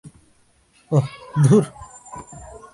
ওহ, ধূর!